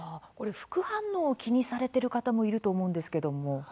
副反応を気にされている方もいると思うんですけども。